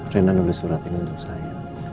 rena nulis surat ini untuk saya